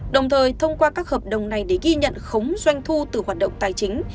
đồng thời thông qua các hợp đồng này để ghi nhận khống doanh thu từ hoạt động tài chính